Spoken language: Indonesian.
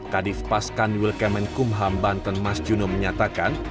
kadif paskan wilkemen kumham banten mas juno menyatakan